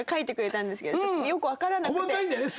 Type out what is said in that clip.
細かいんだよね。